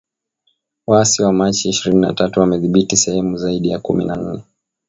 Waasi wa Machi ishirini na tatu wamedhibiti sehemu zaidi ya kumi na nne